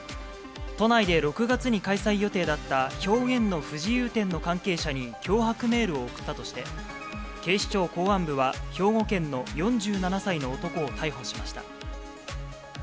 都内で６月に開催予定だった表現の不自由展の関係者に脅迫メールを送ったとして、警視庁公安部は、兵庫県の４７歳の男を逮捕しました。